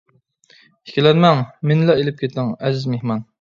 ئىككىلەنمەڭ، مېنىلا ئېلىپ كېتىڭ، ئەزىز مېھمان!